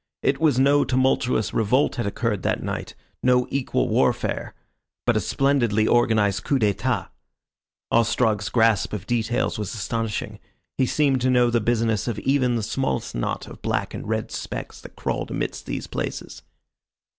It was no tumultuous revolt had occurred that night, no equal warfare, but a splendidly organised coup d'état. Ostrog's grasp of details was astonishing; he seemed to know the business of even the smallest knot of black and red specks that crawled amidst these places.